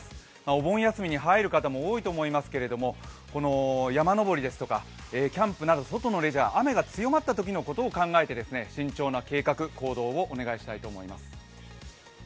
お盆休みに入る方も多いと思いますが、山登りですとかキャンプなど外のレジャー雨が強まったときのことを考えて慎重な計画・行動をお願いします。